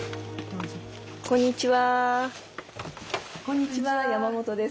こんにちは。